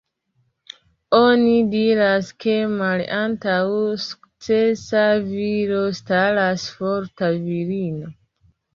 Oni diras, ke malantaŭ sukcesa viro staras forta virino.